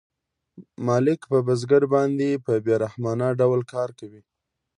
مالک په بزګر باندې په بې رحمانه ډول کار کوي